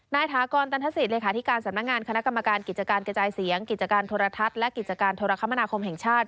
ถากรตันทศิษย์เลขาธิการสำนักงานคณะกรรมการกิจการกระจายเสียงกิจการโทรทัศน์และกิจการโทรคมนาคมแห่งชาติ